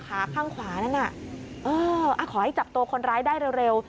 ข้างขวานั่นน่ะเออขอให้จับตัวคนร้ายได้เร็ว